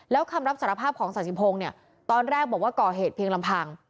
แล้วคำรับสารภาพของสาธิพงศ์เนี่ยตอนแรกบอกว่าก่อเหตุเพียงลำพัง